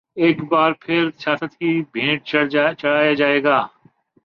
ایک بار پھر سیاست کی بھینٹ چڑھایا جائے گا؟